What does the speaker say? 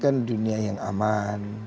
kita ingin dunia yang aman